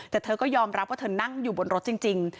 แต่เธอก็ยอมรับว่าเธอนั่งอยู่บนรถจริง